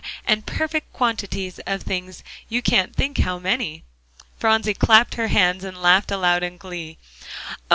and perfect quantities of things; you can't think how many!" Phronsie clapped her hands and laughed aloud in glee. "Oh!